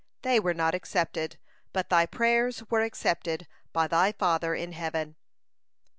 They were not accepted, but thy prayers were accepted by thy Father in heaven."